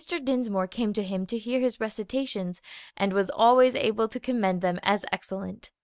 Dinsmore came to him to hear his recitations, and was always able to commend them as excellent.